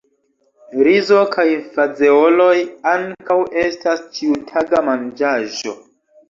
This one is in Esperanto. Rizo kaj fazeoloj ankaŭ estas ĉiutaga manĝaĵo.